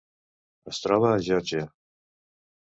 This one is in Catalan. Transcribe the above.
Es troba a Geòrgia.